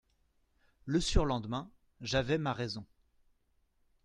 Le surlendemain, j'avais ma raison.